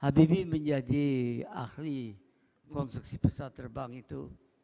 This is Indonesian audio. habibie menjadi ahli konstruksi pesawat terbang itu